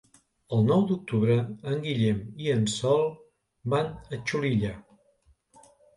El nou d'octubre en Guillem i en Sol van a Xulilla.